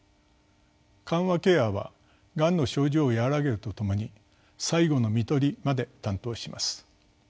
緩和ケアはがんの症状を和らげるとともに最期の看取りまで担当します。